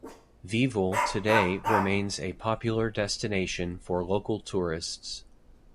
Viet-Ville today remains a popular destination for local tourists.